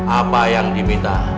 apa yang diminta